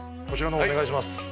こちらのほうお願いします。